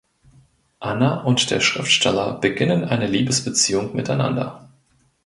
Anna und der Schriftsteller beginnen eine Liebesbeziehung miteinander.